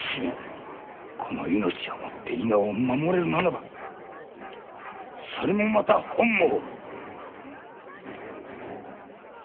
この命をもって伊賀を守れるならばそれもまた本望。